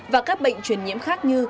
và các bệnh truyền nhiễm khác như